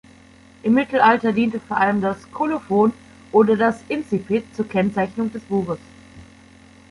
Im Mittelalter diente vor allem das Kolophon oder das Incipit zur Kennzeichnung des Buches.